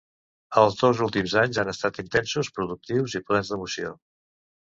Els dos últims anys han estat intensos, productius i plens d'emoció.